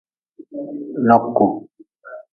Loku.